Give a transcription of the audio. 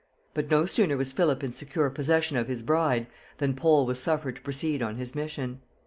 But no sooner was Philip in secure possession of his bride, than Pole was suffered to proceed on his mission.